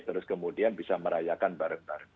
terus kemudian bisa merayakan bareng bareng